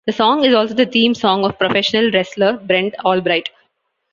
The song is also the theme song of professional wrestler Brent Albright.